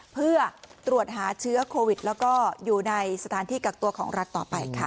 เพื่อตรวจหาเชื้อโควิดแล้วก็อยู่ในสถานที่กักตัวของรัฐต่อไปค่ะ